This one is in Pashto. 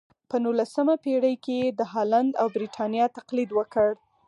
په نولسمه پېړۍ کې یې د هالنډ او برېټانیا تقلید وکړ.